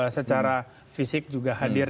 secara fisik juga hadir